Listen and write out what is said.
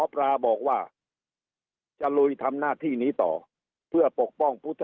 ปลาบอกว่าจะลุยทำหน้าที่นี้ต่อเพื่อปกป้องพุทธ